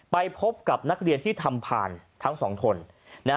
ไปพบกับนักเรียนที่ทำผ่านทั้งสองคนนะฮะ